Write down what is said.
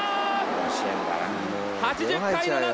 ８０回の夏